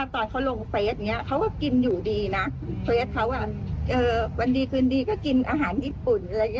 ที่ทุกคนที่เพื่อนอีกคนให้เงิน